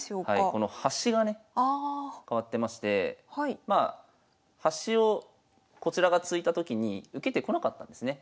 この端がね変わってましてまあ端をこちらが突いたときに受けてこなかったんですね。